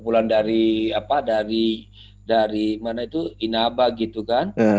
bulan dari apa dari mana itu inaba gitu kan